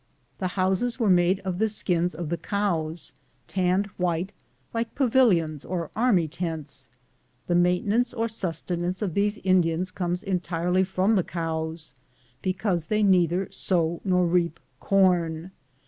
The houses were made of the skins of the cows, tanned white, like pavilions or army tents. The maintenance or sustenance of these Indians comes entirely from the cows, because they neither sow nor reap corn.